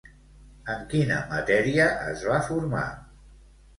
En quina matèria es va formar?